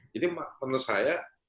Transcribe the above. jadi menurut saya